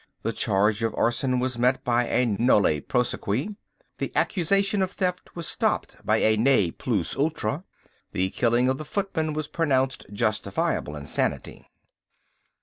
The charge of arson was met by a nolle prosequi. The accusation of theft was stopped by a ne plus ultra. The killing of the footman was pronounced justifiable insanity.